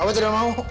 abah tidak mau